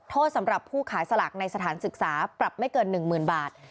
สำหรับผู้ขายสลากในสถานศึกษาปรับไม่เกิน๑๐๐๐บาท